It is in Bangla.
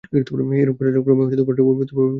এইরূপ করিলে ক্রমে ঘরটি পবিত্রভাবে ভরিয়া উঠিবে।